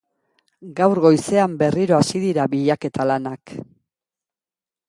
Gaur goizean berriro hasi dira bilaketa-lanak.